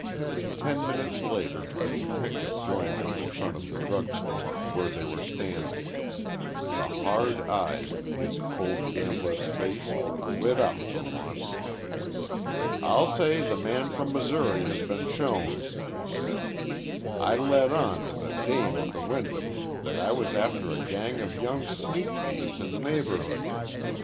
Ten minutes later the detective joined them in front of the drug store where they were standing. The hard eyes in his cold gambler's face were lit up for once. "I'll say the man from Missouri has been shown," he said. "I let on to the dame at the Wyndham that I was after a gang of young sneak thieves in the neighborhood.